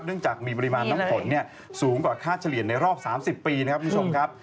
จากมีปริมาณน้ำฝนสูงกว่าค่าเฉลี่ยในรอบ๓๐ปีนะครับคุณผู้ชมครับ